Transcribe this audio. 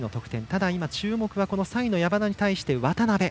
ただ今、注目は３位の山田に対して渡部。